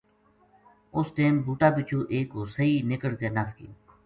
اُس ٹیم بوٹا بِچو ایک ہو سئی نِکڑ کے نس گیو